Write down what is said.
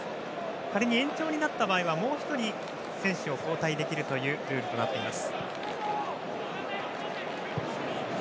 仮に延長になった場合はもう１人選手を交代できるルールとなっています。